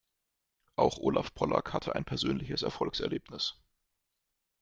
Auch Olaf Pollack hatte ein persönliches Erfolgserlebnis.